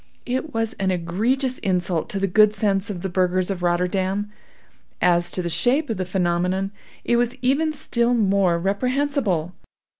It was an egregious insult to the good sense of the burghers of Rotterdam. As to the shape of the phenomenon, it was even still more reprehensible.